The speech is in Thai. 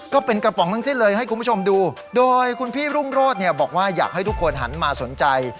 ก็เป็นกระป๋องทั้งสิ้นเลยให้คุณผู้ชมดูโดยคุณพี่รุ่งโรธเนี่ยบอกว่าอยากให้ทุกคนหันมาสนใจ